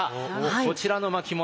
こちらの巻物